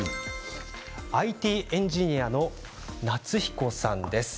ＩＴエンジニアのなつひこさんです。